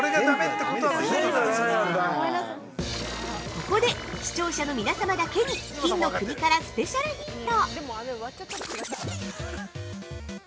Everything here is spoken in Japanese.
◆ここで視聴者の皆様だけに金の国からスペシャルヒント！